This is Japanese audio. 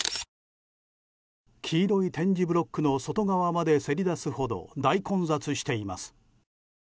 黄色い点字ブロックの外側までせり出すほど大混雑しています。